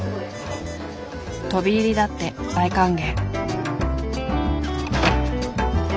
飛び入りだって大歓迎。